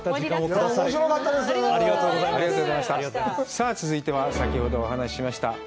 さぁ続いては先ほどお話しました